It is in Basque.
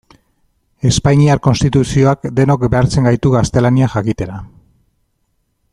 Espainiar Konstituzioak denok behartzen gaitu gaztelania jakitera.